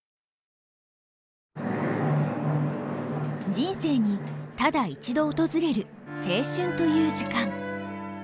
人生にただ一度訪れる青春という時間。